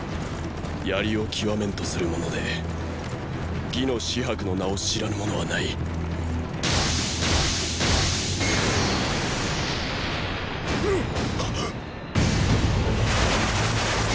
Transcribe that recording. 槍を極めんとする者で魏の“紫伯”の名を知らぬ者はない。っ！！